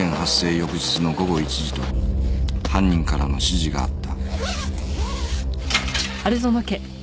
翌日の午後１時と犯人からの指示があった